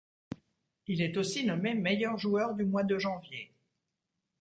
Il est aussi nommé meilleur joueur du mois de janvier.